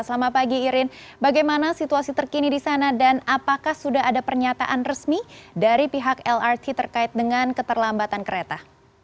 selamat pagi irin bagaimana situasi terkini di sana dan apakah sudah ada pernyataan resmi dari pihak lrt terkait dengan keterlambatan kereta